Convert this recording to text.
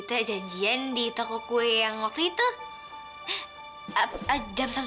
dia masih menghadir bubble